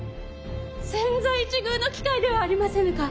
千載一遇の機会ではありませぬか。